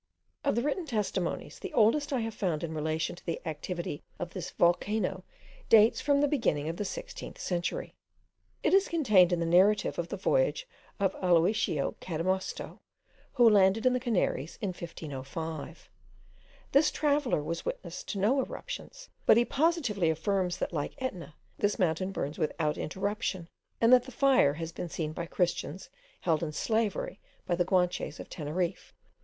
Of all the written testimonies, the oldest I have found in relation to the activity of this volcano dates from the beginning of the sixteenth century. It is contained in the narrative of the voyage of Aloysio Cadamusto, who landed at the Canaries in 1505. This traveller was witness of no eruptions, but he positively affirms that, like Etna, this mountain burns without interruption, and that the fire has been seen by christians held in slavery by the Guanches of Teneriffe.